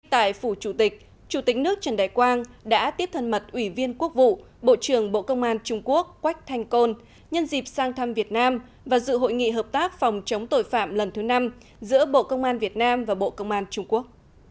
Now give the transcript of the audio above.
tại phủ chủ tịch chủ tịch nước trần đại quang đã tiếp thân mật ủy viên quốc vụ bộ trưởng bộ công an trung quốc quách thanh côn nhân dịp sang thăm việt nam và dự hội nghị hợp tác phòng chống tội phạm lần thứ năm giữa bộ công an việt nam và bộ công an trung quốc